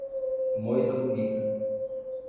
Moita Bonita